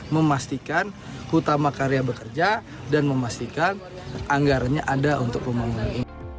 memastikan hutama karya bekerja dan memastikan anggarannya ada untuk pembangunan